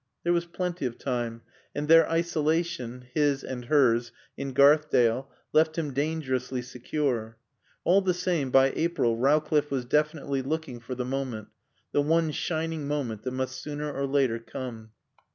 There was plenty of time, and their isolation (his and hers) in Garthdale left him dangerously secure. All the same, by April Rowcliffe was definitely looking for the moment, the one shining moment, that must sooner or later come.